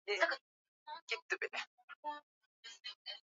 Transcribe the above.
kundi lililokuwa likiongozwa na jenerali Bosco Ntaganda la